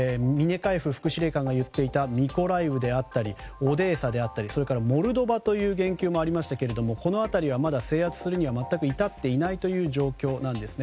そしてミコライウであったりオデーサであったりモルドバという言及もありましたがこの辺りはまだ制圧するには至っていないという状況なんです。